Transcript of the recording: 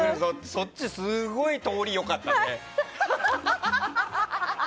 そっち、すごい通り良かったね。